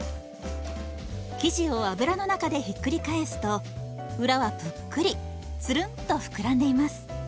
生地を油の中でひっくり返すと裏はぷっくりつるんとふくらんでいます。